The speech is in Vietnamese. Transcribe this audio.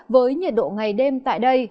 với nhiệt độ ngày đêm tại đây